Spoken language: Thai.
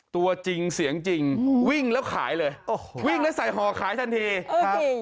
ตัวจริงเสียงจริงวิ่งแล้วขายเลยโอ้โหวิ่งแล้วใส่ห่อขายทันทีครับ